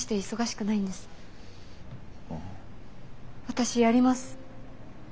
私やります。